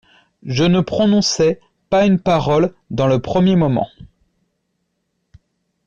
Je ne prononçai pas une parole dans le premier moment.